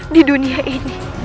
di dunia ini